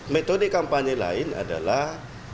metode kampanye lain adalah